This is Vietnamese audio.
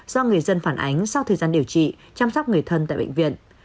do người dân phản ánh sau thời gian điều trị chăm sóc người thân tại bệnh viện